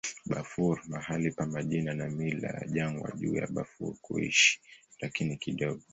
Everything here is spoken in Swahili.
Bafur mahali pa majina na mila ya jangwa juu ya Bafur kuishi, lakini kidogo.